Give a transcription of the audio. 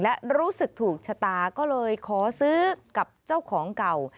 และรู้สึกถูกชะตาก็เลยขอซื้อกับเจ้าของเก่า